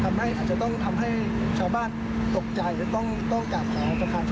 อาจจะต้องทำให้ชาวบ้านตกใจหรือต้องกราบแผลจำการโทษด้วยกับผม